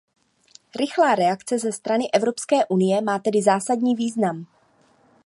Rychlá reakce ze strany Evropské unie má tedy zásadní význam.